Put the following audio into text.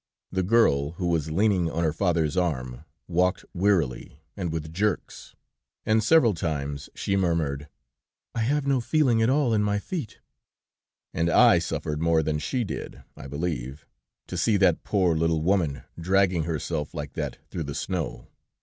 The girl, who was leaning on her father's arm, walked wrearily, and with jerks, and several times she murmured: "'I have no feeling at all in my feet;' and I suffered more than she did, I believe, to see that poor little woman dragging herself like that through the snow.